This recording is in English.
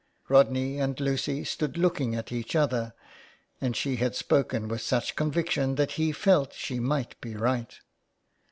'* Rodney and Lucy stood looking at each other, and she had spoken with such conviction that he felt she might be right.